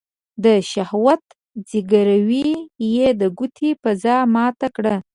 د شهوت ځګيروی يې د کوټې فضا ماته کړه.